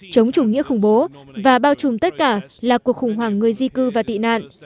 chống chủ nghĩa khủng bố và bao trùm tất cả là cuộc khủng hoảng người di cư và tị nạn